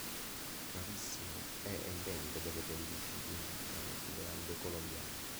Rarissimo, è endemico delle pendici di un vulcano sulle Ande colombiane.